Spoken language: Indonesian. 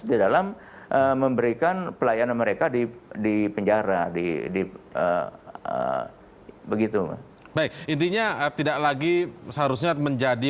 di dalam memberikan pelayanan mereka di penjara di di begitu baik intinya tidak lagi seharusnya menjadi